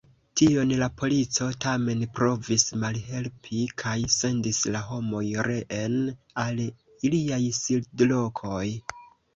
Tion la polico tamen provis malhelpi kaj sendis la homoj reen al iliaj sidlokoj.